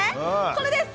これです！